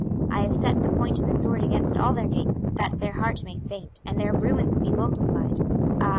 26:021:015 I have set the point of the sword against all their gates, that their heart may faint, and their ruins be multiplied: ah!